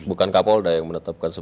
bukan kapodak yang menetapkan